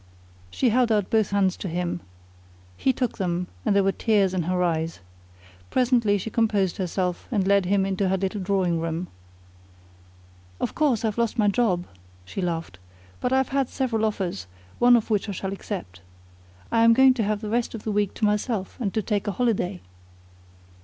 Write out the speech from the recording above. She held out both hands to him: he took them, and there were tears in her eyes. Presently she composed herself, and led him into her little drawing room. "Of course, I've lost my job," she laughed, "but I've had several offers, one of which I shall accept. I am going to have the rest of the week to myself and to take a holiday."